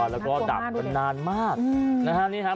แล้วก็ดับกันนานมากอืมนะฮะนี่ครับ